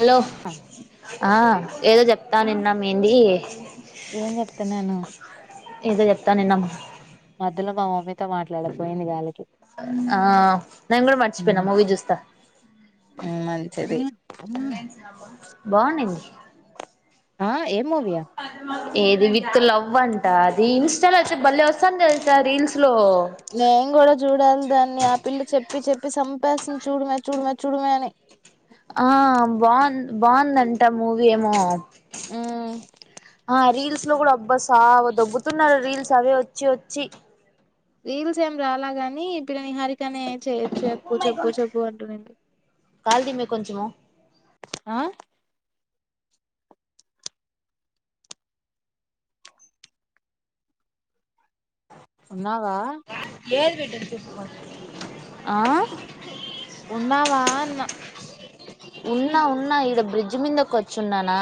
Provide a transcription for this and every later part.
Hello! ఆ ఏదో చెప్తా నిన్న మీ ఏంది? ఏం చెప్తున్నాను, ఏదో చెప్తా నిన్నాం మధ్యలో మా బాబు. మీతో మాట్లాడకపోయింది గాలికి. ఆ నేను కూడా మర్చిపోయినా, మూవీ చూస్తా. మంచిది ఎన్సబా బానింది ఆ ఏం మూవీయా ఏది విత్ లవ్ వంట అది ఇన్స్టెల్ అయితే బలే వస్తది చ రీల్స్ లో నేం కూడా చూడాలి దాన్ని ఆపిల్లు చెప్ చెప్పి చెప్పి సంపాసిన చూడమే చూడమే చూడమే అని ఆ బాన్ బోన్దంట మూవీ ఏమో మ్ ఆ రీల్స్ లో కూడా అబ్బా సావ దబ్బుతున్నారు రీల్స్ అవే వచ్చి చి రీల్స్ ఏం రాలాగాని ఇప్పుడని హరి కానే చేయ్యొచ్చు చెప్పు చెబ్బు చెబు అంటుంది కాలు తిమ్మే కొంచెము ఆ ఉన్నావా ఆ ఉన్నావాన్నా ఉన్నా ఉన్నా ఈడ బ్రిడ్జ్ మీదక్ వచ్చున్నానా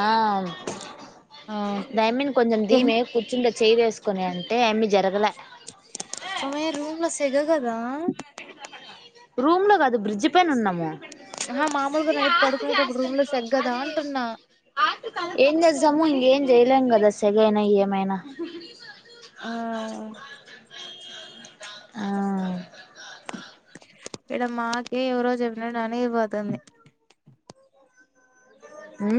ఆ ధైమన్ కొంచెం దీయ్ మి కూచ్చుంట చేయ్ వేసుకొని అంటే ఆమ్మి జరగలే అమే రూమ్లో తెగగదా రూమ్ లో కాదు బ్రిడ్జ్ పైన ఉన్నాము ఆహా మామూలుగా నైట్ పడుకునేటప్పుడు రూమ్ లో సెగ కదా అంటున్నా ఏంజేస్తాము ఎ చేయలేం కదా సెగయినా ఎంఐయినా ఆ ఆ ఇక్కడ మాకే ఎవరోజు చెప్పిన అనిగిపోతుంది హూ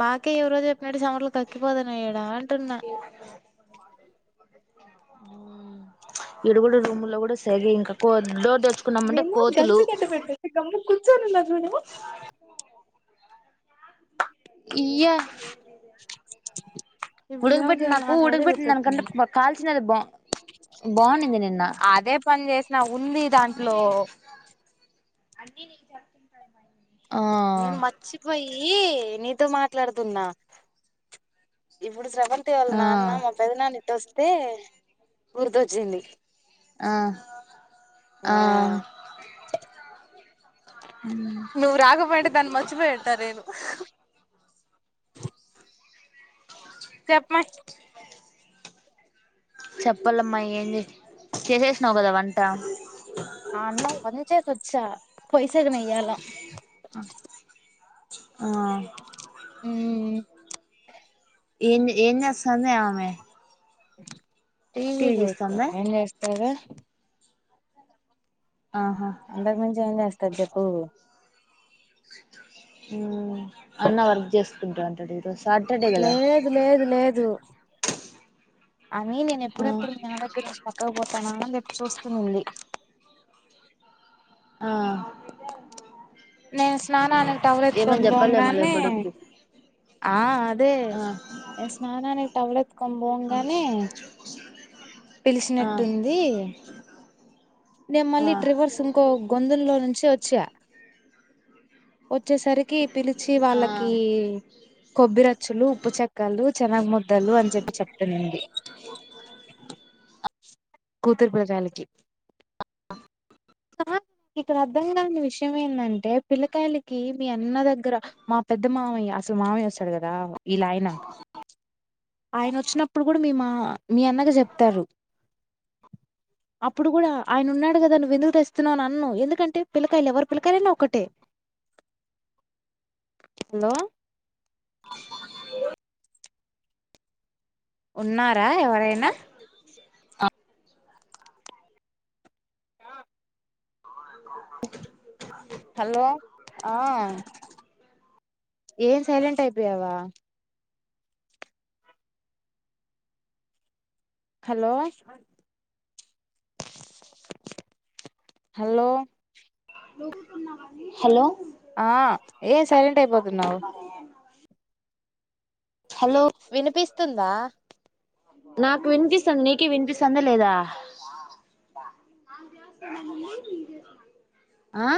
మాకే ఎవరో చెప్పినట్టు సమర్లు కక్కిపోదనియ్యాడా అ టున్న హ్మ్ ఇడ గూడ రూము ల్లో కూడా సెగ ఇంకా కొద్ద మేము జెంట్స్ కెంత పెట్టె ఎగ్జాము కుచ్చ మీలాన్ [inaudible] ఇయ్యా [inaudible] ఇప్పుడు సేవంతి ఉడకబెట్టిన వాళ్ళ నాకు నాన్న పోతే ఉడకబెట్టింది గుర్తొచ్చింది దానికంటే కాల్చినది బా బాగుండింది నిన్న నా ఉంది దాంట్లో అన్నీ నీకు జప్తుంటారు బా నేను మర్చిపోయి నీ తో మాట్లాడుతున్నా ఇప్పుడు స్రవంతి వాళ్ ఆ నాన్న మా పెద్ద ఇటోస్ తే గుర్తొచ్చింది ఆ ఆ నువ్ రాకపోయుంటే దాన్ని మర్చిపోయి ఉంటా నేను చెప్మ చెప్పాలమ్మా ఏంది చేసే చేసేసినావు కదా వంట అన్నం వించేసి వొచ్చ పోయి నయ్యాల ఆ హుమ్మ్ ఏం ఏం చేస్త సందమె ఓ టీవి చూస్త ఏం చేస్తడు ఆహా అంతకి మించి ఏం చేస్త తద్దకు అన్న వర్క్ చేసుకుంటా ఉంటాడు లేదు లేదు లేదు అ నేను ఆ ఎప్పుడెప్పుడు మీ పక్కపో ప్రణం రప్ చూసి నింది ఆ నే స్నానానికి టవర్ ఏమని ఎత్తుకొని చెప్పాలేమో లే పోగానే కొడుక్కి ఆ అదే ఆ స్నానానికి టవర్ ఎత్కొని పోగానే ఆ పిలిచినట్టుంది నేను మళ్ళీ ఆ ట్రివర్స్ ఇంకో గొందుల్లో నుంచి వచ్చా వచ్చేసరికి పిలిచి ఆ వాళ్ళకి కొబ్బిరచ్చులు ఉప్పు చెక్కలు చెనగ్ ముద్దలు అని చెప్పి చెప్తనడి కూతురు పిల్రాలికి కా ఇక్కడ అర్థం కాని విషయం ఏంటంటే పిల్లకాయలకి మీ అన్న దగ్గర మా పెద్ద మామయ్య అసలు మామయ్య వస్తాడు కదా ఇలా ఆయనా ఆయన వచ్చిన ఇప్పుడు కూడా మీ మా మీ అన్నగా చెప్తారు అప్పుడు కూడా ఆయన ఉన్నాడు కదా నువ్వు విందుకు తెస్తున్నావుని అను ఎందుకంటే పిల్లకాయలు ఎవరు పిల్లకాయలనా ఒకటే హలో ఉన్నారా ఎవరైనా ఆ అ ఎంత ప్ర హలో ఆ ఏం సైలెంట్ అయిపోయావా హలో హలో హలో ఆ ఏ సైలెంట్ అయిపోతున్నావు హలో వినిపిస్తుందా నాకు వినిపిస్తుంది నీకే వినిపిస్తుందా లేదా ఆ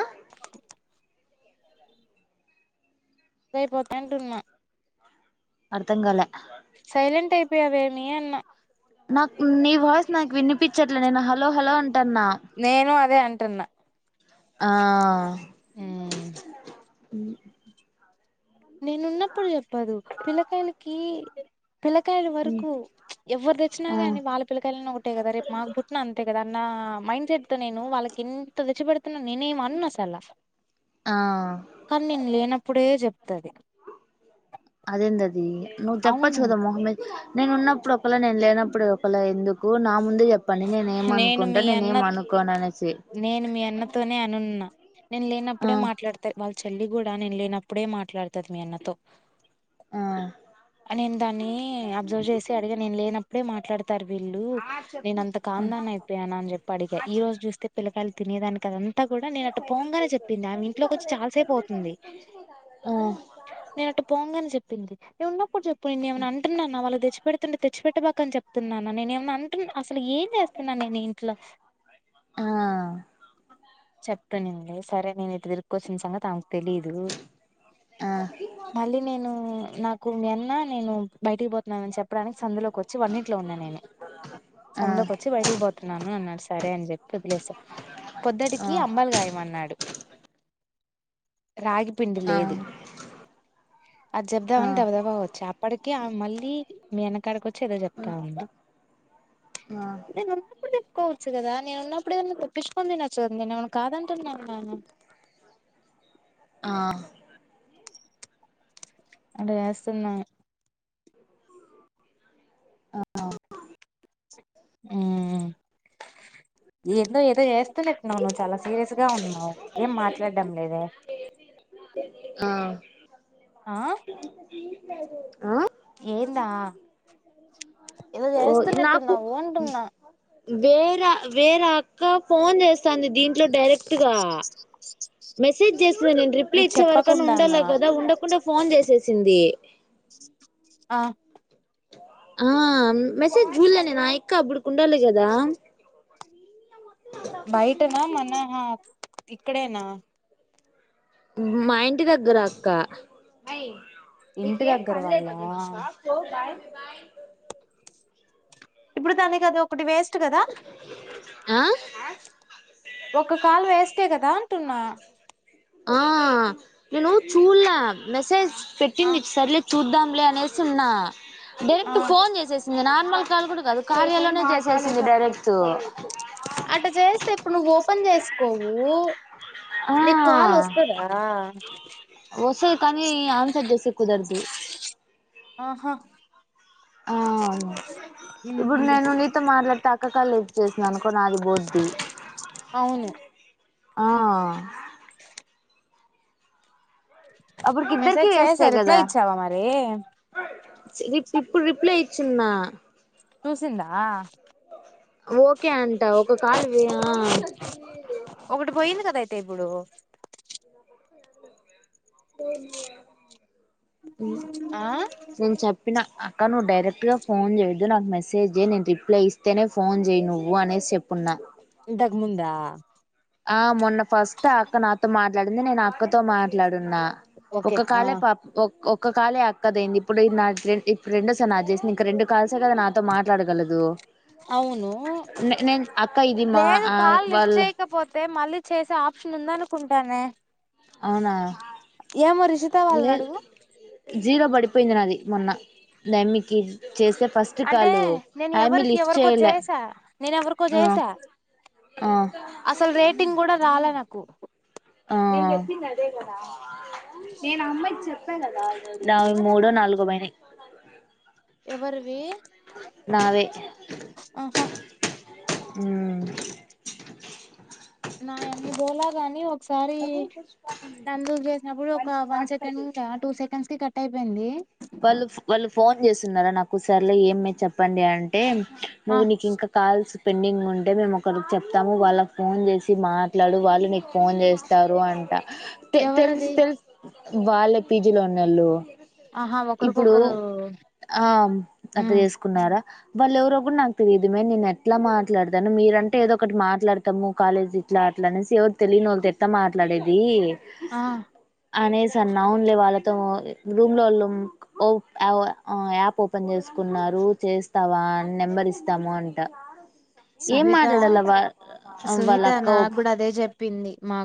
సయిపోతందంటున్నా అర్తంగాలే సైలెంట్ అయిపోయావేమి అన్నా నాకు నీ వాయిస్ నాకు వినిపించట్లే నేను హలో హలో అం నేను అదే అ అంటన్నా ఆ ఆ ఉ నేను ఉన్నప్పుడు చెప్ ప్పదు పిల్లకాయలకి పిల్లకాయల మ్మ్ వరకు ఎవరు తెచ్చినా ఆ కానీ వాళ్ళ పిల్లకాయలని ఒకటే కదా రేపు మాకు పుట్టిన అంతే కదాన్న నా మైండ్ సెట్ తో నేను వాళ్ళకి ఎంత తేచ్చపెడుతున్నా నేనేమి అన్నా అసలు ఆ కాని నేన్ లేనపు అప్పుడే చెప్ తది అదే ఏందది నువ్వు చెప్పచ్చు అవును కదా మొహం మీ నేను ఉన్నప్పుడు ఒకళ నేను లేనప్పుడు ఒకళ ఎందుకు ఓ నామ్ నేను మీ అన్న అనుకోను అనేసి నేను మీ అన్నతోనే అనున్నా నేను ఆ లేనప్పుడే మాట్లాడతా వాళ్ చెల్లి కూడా నేను లేనప్పుడే మాట్లాడుతది మీ అన్నతో ఆ నేను దాన్ని అబ్జర్వ్ చేసి అడిగ నేను లేనప్పు మాట్లా [unintelligible] వీళ్ళు నేను అంత కందని అయిపోయాను అని చెప్పి అడిగ ఈ రోజు చూస్తే పిల్లాక తినేదానికి [unintelligible] అంత కూడా నేన అట్టు పోగానే చెప్పింది ఆమె ఇంట్లోకి వచ్చి చాలాసేపు అవుతుంది ఆ ఆ నేన అట్టు పోగానే చెప్పింది నేను ఉన్నప్పుడు చెప్ప ఏమ అంటున్నాను వాళ్ళు తెచ్చిపెడుతుంటే తెచ్చిపెట్ [unintelligible] చెప్తున్నా నేను ఏమన్నా అంటున్నా అసల ఏం చేస్తున్నాను నేను ఈ ఇంట్లో చెప్తునుంది సరే నేను [unintelligible] తిరుకొచ్చిన సంగతి ఆమె తెలీదు ఆ ఆ మళ్ళీ నేను నాకు మీ అన్నా నేను బయటికి పోతున్నాన అని చెప్ ప్పుడానికి సందులోకి వచ్చి వాటా ఇంట్లో ఉన్నాను నేను ఆ సందులోకి వచ్చి ఆ బయటికి పోతున్నాను అన్నాడు సరే అని చెప్పి వదిలేస్త పొద్దుటికి అంబల కాయమనాడు రాగి పిండి లేదు అది చూద్దాం ఆ అని దబ్బదబా వచ్చ అప్పటి మళ్ళీ [unintelligible] అక్కడికి వచ్చే ఏదో చెప్తా ఉంది నేను ఉన్నప్పుడు చెప్పుకోవచ్చు కదా నేను ఉన్నప్పుడు ఏదన్నా [unintelligible] తినొచ్చు కదా నేను ఏం అన్న కాదు అంటున్న ఆ ఆట చేస్తుంది ఆమె ఉమ్ [unintelligible] [unintelligible] నువ్వు చాలా సీరియస్ గా ఉన్నావు ఏం మాట్లాడడం లేదే ఆ ఆ ఏంది ఆ ఏదో ఓ చేస్తునాటు నాకు ఉన్నావు అంటూనా వేరే వేర అక్క ఫోన్ చేస్ వస్తుంది దీంట్లో డైరెక్ట్గా మెసేజ్ చేసింది నేను రిప్లై నీకు ఇచ్చే వరకన్నా ఉండాలా చెప్పకుండానా కదా ఉండకుండా ఫోన్ చేసేసి [unintelligible] ఆ ఆ మెసేజ్ జూలే నేను ఆ అక్క అప్పుడుకి ఉండాలి కదా బైటనా మన ఇక్కడనా మా ఇంటి దగ్గర అక్క ఇక ఇంటి ఏం దగ్గర పన్లేద వాళ్ళ ని నిమిషా పోదాయ ఇప్పుడు తనే [unintelligible] ఒకటి వేస్ట్ కదా ఆ అ ఒక కాల్ వేస్ట్ కదా అంటున్నా ఆ నేను చూలే మెసేజ్ ఆ పెట్టింది సర్లే చూద్దాం లే అనేసి సున్నా ఆ డైరెక్ట్ ఫోన్ చేసేసింది నార్మల్ కాల్ కూడా కాదు కార్యాలోనే చేసేసింది డైరెక్ట్ ఆటా చేస్తే ఇప్పుడు నువ్వు ఓపెన్ చేసుకోవు ఆ నీకు కాల్ వస్తదా వస్తది కానీ ఆన్సర్ చేసి కుదరదు ఆహా ఆ ఇప్పుడు మ్మ్ నేను నీతో మాట్లాడితే అక్క కాల్ లే అనుకో నాది బొద్ది. అవును ఆ. అప్పుటికి ఇద్దరికి మెసేజ్ చేయసా వేస్టే రిప్లై కదా ఇచ్చావా మరి. ఇప్పుడు రిప్లై ఇచ్చిన్న. చూసిందా. ఓకే అంటా ఒక కాలు వే ఆ. ఒకటి పోయింది కదా అయితే ఇప్పుడు. పో అమ్మ ఆ నేను చెప్పిన అక్క నువ్వు డై డైరెక్ట్ గా ఫోన్ చేయద్దు నాకు మెసజ్ చే నేను రిప్లై ఇస్తేనే ఫోన్ చేయి నువ్వు అనేసి చెప్పున్నా. ఇంతకుముందా ఆ మొన్న ఫస్ట్ అక్క నాతో మాట్లాడింది నేను అక్కతో మాట్లాడు. న ఓకే ఒక ఆ కాల్ పాపం ఓ. ఓ ఒక కాల్ అక్కదయింది ఇప్పుడు నా ఇప్పుడు రెండోసారి నా చేసింది ఇంకా రెండు కాల్సే కదా నాతో మాట్లాడగలదు. అవును న నేన్ అక్క ఇది మా ఆ వల్ల ఏ మళ్ళీ చేసే ఆప్షన్ ఉంద అనుకుంటానే. అవునా. వాళ్ళని లేదు అడుగు జీరో పడిపోయింది నాది. మొన్న లేమికి. అంటే నేను ఎవరికి లిఫ్ట్ ఎవరికో చేయలే చేసా నేను ఎవరికో ఆ చేసా ఆ అసలు రేటింగ్ కూడా రాలే నాకు. కు ఆ నేను చెప్పింది అదే కదా నావి మూడో నాలుగో పోయినాయ్. [inaudible] ఎవరివి అహా. హ్మ్ నా యన్ని బోలా గానీ, ఒ కసారి నందుకు చేసినప్పుడు ఒక వన్ సెకండ్ ఉండే. ఆ టూ సెకండ్స్ కి కట్ ట్ అయిపోయింది. వాళ్ళు ఫో వాళ్ళు ఫోన్ చేస్తున్నారా నాకు సర్లే ఏమ్మే చెప్పండి అంటే. ఆ నువ్వు నీకు ఇంకా కాల్స్ పెండింగ్ ఉంటే మేము ఒకరికి చెప్తాము. వాళ్ళకి ఫోన్ చేసి మాట్లాడు వాళ్ళు నీకు ఫోన్ చేస్తారు అంట. తె తెలుసు ఎవరది తెలుస్. వాళ్ళే పీజీలో ఉన్నోళ్ళు. అహ ఇప్పుడు ఆ అట్ట ఉమ్ చేసుకున్నారా? వాళ్ళు ఎవరో గూడా నాకు తెలియదు మే నేను ఎట్లా మాట్లాడతాను. మీరంటే ఏదో ఒకటి మాట్లాడతాము కాలేజ్ ఇట్లా అట్లానేసి ఎవరు తెలియని వాళ్ళతో ఎట్లా మాట్లాడేది. ఆ అనేసి అన్న ఔన్లే వాళ్ళతో రూమ్ లో వాళ్ళు ఓప్ యావ్ ఆ యాప్ ఓపెన్ చేసుకున్నారు చేస్తావా అని నెంబర్ ఇస్తాము అంటా. సుహిత వాళ్ళ సుహిత అక్క నాగ్గూడ అదే చెప్పింది. మా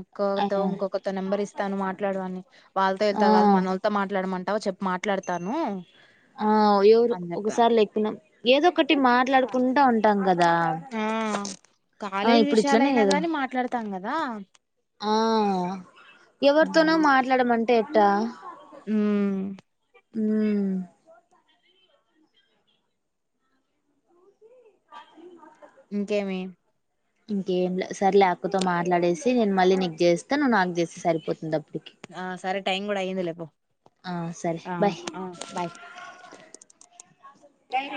ఆ అక్కతో ఇంకొకరితో నెంబర్ ఇస్తాను మాట్లాడు అని వాళ్ళతో ఆ వీల్తో గాదు మనోళ్లతో మాట్లాడమన్ తావ చెప్పు మాట్లాడతాను. ఆ ఎవరు అని చెప్పా ఒకసారి లెప్పినం ఏదో ఒకటి మాట్లాడుకుంటా ఉంటాం గదా ఆ కాలేజీ ఇట్లనే విషయాలయినా కదా గాని మాట్లాడతాం గదా. ఆ ఎవరితోనో మాట్లాడమన్ అంటే ఎట్టా? ఊమ్ ఉమ్ ఇంకేమి? ఇంకేం లే సర్లే అక్కతో మాట్లాడేసి నేను మళ్ళీ నీకు చేస్తా నువ్వు నాకు చేస్తే సరిపోతుందబ్ ఆ సరే టైం కూడా అయ్యంది లే పో ఆ సరే బాయ్